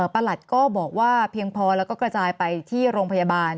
ประหลัดก็บอกว่าเพียงพอแล้วก็กระจายไปที่โรงพยาบาล